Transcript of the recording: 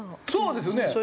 そうですよね。